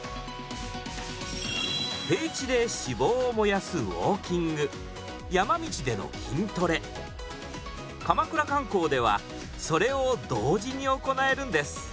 平地で脂肪を燃やすウオーキング山道での筋トレ鎌倉観光ではそれを同時に行えるんです。